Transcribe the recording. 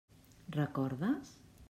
Recordes?